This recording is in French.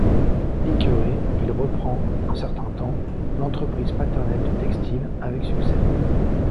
Écœuré, il reprend, un certain temps, l'entreprise paternelle de textile, avec succès.